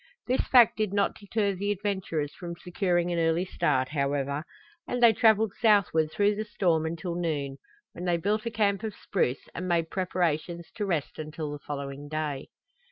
This fact did not deter the adventurers from securing an early start, however, and they traveled southward through the storm until noon, when they built a camp of spruce and made preparations to rest until the following day.